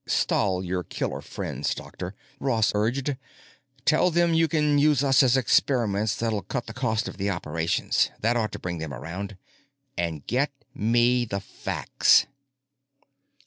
"Stall your killer friends, doctor," Ross urged. "Tell them you can use us for experiments that'll cut the cost of the operations. That ought to bring them around. And get me the facts!"